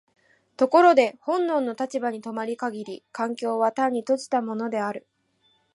ところで本能の立場に止まる限り環境は単に閉じたものである。